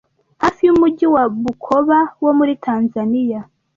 hafi y’umujyi wa Bukoba wo muri Tanzaniya